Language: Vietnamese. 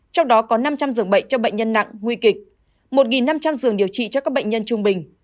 trong đó có năm trăm linh giường bệnh cho bệnh nhân nặng nguy kịch một năm trăm linh giường điều trị cho các bệnh nhân trung bình